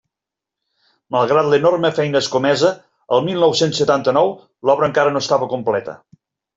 Malgrat l'enorme feina escomesa, el mil nou-cents setanta-nou l'obra encara no estava completa.